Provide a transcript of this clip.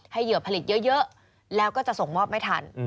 เหยื่อผลิตเยอะแล้วก็จะส่งมอบไม่ทัน